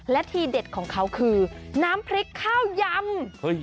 และทีเด็ดของเขาคือน้ำพริกข้าวยำ